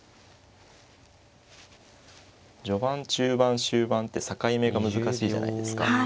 序盤中盤終盤って境目が難しいじゃないですか。